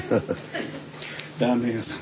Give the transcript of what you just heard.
ラーメン屋さん？